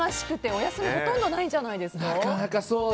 お休みほとんどないんじゃないですか。